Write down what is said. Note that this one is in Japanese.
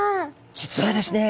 実はですね